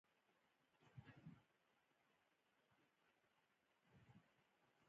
پر را روانې اورګاډي سترګې ولګېدې.